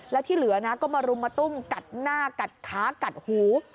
แล้วที่เหลือนะก็มารุมมาตุ้มกัดหน้ากัดขากัดหู